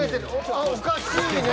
あっおかしいね。